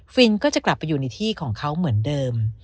วินก็จะกลับไปอยู่ในที่ของเขาเหมือนเดิม